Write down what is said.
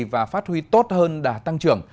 và phát huy tốt hơn đà tăng trưởng